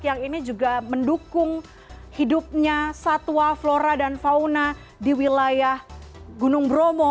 yang ini juga mendukung hidupnya satwa flora dan fauna di wilayah gunung bromo